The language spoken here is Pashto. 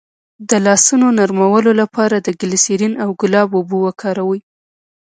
د لاسونو نرمولو لپاره د ګلسرین او ګلاب اوبه وکاروئ